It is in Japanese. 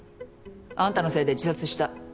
あんたのせいで自殺した。